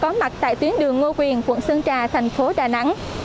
cơn bão số năm đang có mặt tại tuyến đường ngô quyền quận sơn trà thành phố đà nẵng